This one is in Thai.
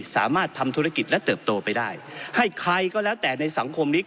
สามารถทำธุรกิจและเติบโตไปได้ให้ใครก็แล้วแต่ในสังคมนี้